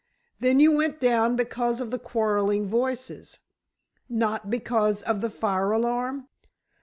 "Then you went down because of the quarreling voices—not because of the fire alarm?"